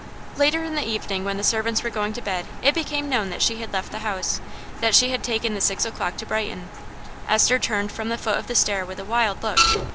Later in the evening, when the servants were going to bed, it became known that she had left the house, that she had taken the six o'clock to Brighton. Esther turned from the foot of the stair with a wild look.